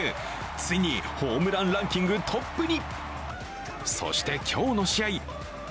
ついにホームランランキングトップに！